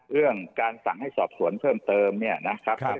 เรื่องการสั่งให้สอบสวนเพิ่มเติมเนี่ยนะครับ